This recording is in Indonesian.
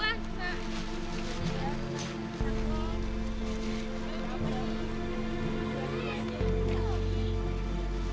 terus ribu ah